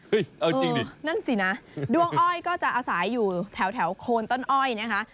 เฮ้ยเอาจริงดินั่นสิน่ะด้วงอ้อยก็จะอสายอยู่แถวแถวโคนต้นอ้อยเนี้ยฮะ